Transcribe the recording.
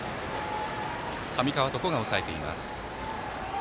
上川床が抑えています。